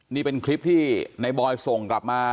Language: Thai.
นี่เป็นคลิปที่ในบอยส่งกลับมา